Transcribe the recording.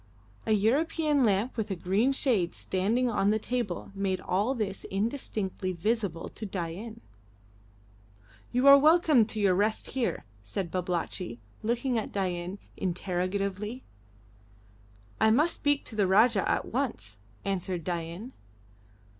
An European lamp with a green shade standing on the table made all this indistinctly visible to Dain. "You are welcome to your rest here," said Babalatchi, looking at Dain interrogatively. "I must speak to the Rajah at once," answered Dain.